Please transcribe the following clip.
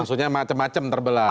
maksudnya macem macem terbelah